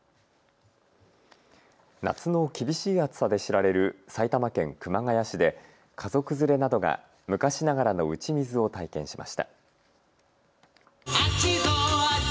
夏の厳しい暑さで知られる埼玉県熊谷市で家族連れなどが昔ながらの打ち水を体験しました。